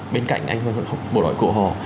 bên cạnh anh bộ đội cụ hồ